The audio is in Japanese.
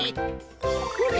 ほれ！